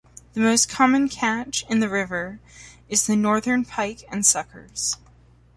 The most common catch in the river is the northern pike and suckers.